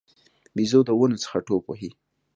بیزو د ونو څخه ټوپ وهي.